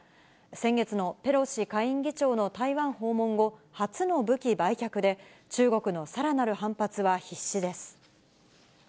先月のペロシ下院議長の台湾訪問後、初の武器売却で、中国のさらなる反発は必至です。